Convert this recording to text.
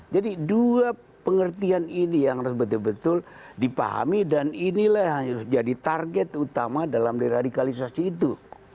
jadi dua pengertian ini yang harus betul betul dipahami dan inilah yang harus jadi target utama dalam deradikalisasi itu